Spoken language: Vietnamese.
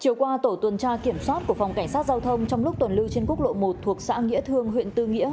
chiều qua tổ tuần tra kiểm soát của phòng cảnh sát giao thông trong lúc tuần lưu trên quốc lộ một thuộc xã nghĩa thương huyện tư nghĩa